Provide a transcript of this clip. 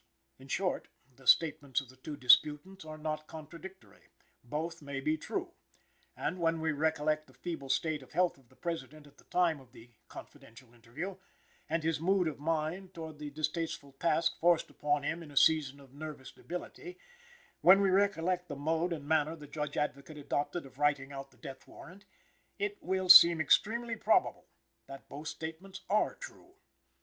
In short, the statements of the two disputants are not contradictory. Both may be true. And, when we recollect the feeble state of health of the President at the time of the "confidential interview" and his mood of mind towards the distasteful task forced upon him in a season of nervous debility; when we recollect the mode and manner the Judge Advocate adopted of writing out the death warrant; it will seem extremely probable that both statements are true.